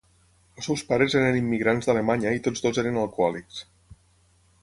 Els seus pares eren immigrants d'Alemanya i tots dos eren alcohòlics.